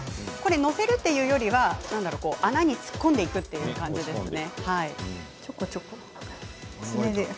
載せるというよりは、穴に突っ込んでいくという感じですね。